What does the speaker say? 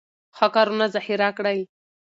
ښه کارونه ذخیره کړئ.